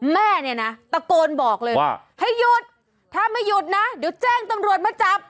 แม่เนี่ยนะตะโกนบอกเลยว่าให้หยุดถ้าไม่หยุดนะเดี๋ยวแจ้งตำรวจมาจับ